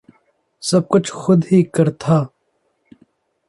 سب کچھ خود ہی کر تھا